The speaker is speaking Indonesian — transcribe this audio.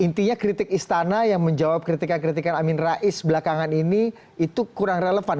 intinya kritik istana yang menjawab kritikan kritikan amin rais belakangan ini itu kurang relevan